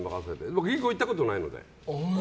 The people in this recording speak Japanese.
僕、銀行行ったことないので。